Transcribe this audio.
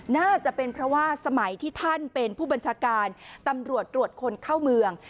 น่าจะเป็นเพราะว่าสมัยที่ท่านเป็นผู้บัญชาการตำรวจตรวจคนเข้าเมือง